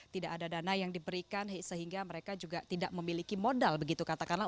tidak ada dana yang diberikan sehingga mereka juga tidak memiliki modal begitu katakanlah